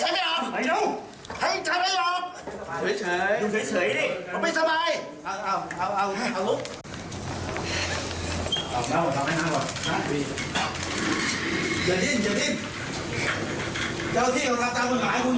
เจ้าที่เอาตามันหายคุณอย่าดิ้น